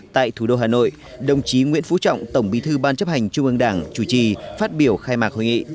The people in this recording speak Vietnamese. tại thủ đô hà nội đồng chí nguyễn phú trọng tổng bí thư ban chấp hành trung ương đảng chủ trì phát biểu khai mạc hội nghị